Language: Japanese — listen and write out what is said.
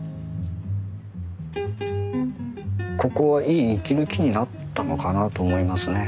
ここはいい息抜きになったのかなと思いますね。